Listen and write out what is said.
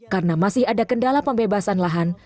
karena masih ada kendala pembebasan lahan